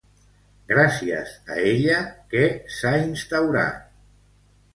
Gràcies a ella, què s'ha instaurat?